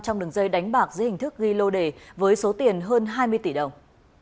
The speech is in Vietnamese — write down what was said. trong đường dây đánh bạc dưới hình thức ghi lô đề với số tiền hơn hai mươi tỷ đồng